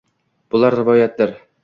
bular rivoyatdir —